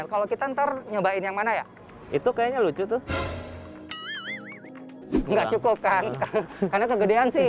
kalau kita ntar nyobain yang mana ya itu kayaknya lucu tuh nggak cukup kan karena kegedean sih